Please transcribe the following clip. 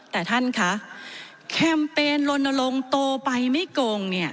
แต่ท่านคะแคมเปญลนลงโตไปไม่โกงเนี่ย